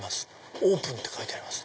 オープンって書いてあります。